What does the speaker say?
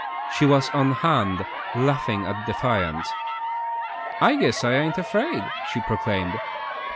She was on hand, laughing and defiant. "I guess I ain't afraid," she proclaimed.